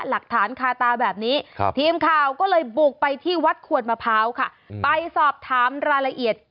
หลักฐานคาตาแบบนี้ทีมข่าวก็เลยบุกไปที่วัดขวดมะพร้าวค่ะไปสอบถามรายละเอียด